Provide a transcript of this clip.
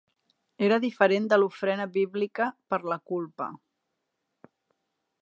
Era diferent de l'ofrena bíblica per la culpa.